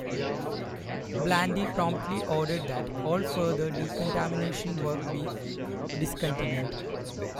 Blandy promptly ordered that all further decontamination work be discontinued.